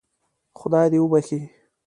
خدای دې وبخښي.